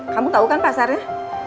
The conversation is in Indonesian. kamu tau kan pasarnya